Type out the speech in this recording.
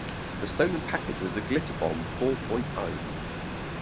The stolen package was a glitter bomb four point oh.